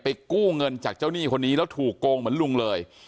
กู้เงินจากเจ้าหนี้คนนี้แล้วถูกโกงเหมือนลุงเลย